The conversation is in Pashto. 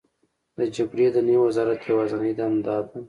د جګړې د نوي وزرات یوازینۍ دنده دا ده: